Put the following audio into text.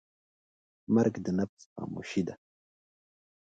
مرګ د نفس خاموشي ده.